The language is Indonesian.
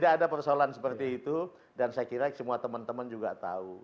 tidak ada persoalan seperti itu dan saya kira semua teman teman juga tahu